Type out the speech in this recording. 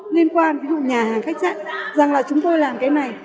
liên quan ví dụ nhà hàng khách sạn rằng là chúng tôi làm cái này